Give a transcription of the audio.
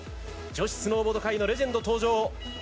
女子スノーボード界のレジェンド登場。